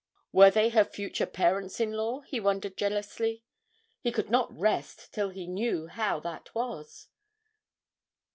Were they her future parents in law, he wondered jealously. He could not rest till he knew how that was.